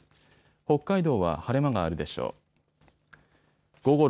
北海道は晴れ間があるでしょう。